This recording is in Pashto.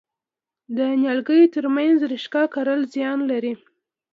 د نیالګیو ترمنځ رشقه کرل زیان لري؟